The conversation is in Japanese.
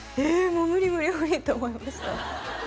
もう無理無理無理って思いました